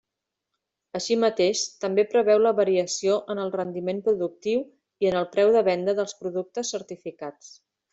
Així mateix, també preveu la variació en el rendiment productiu i en el preu de venda dels productes certificats.